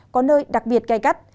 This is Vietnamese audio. có nơi đặc biệt cay cắt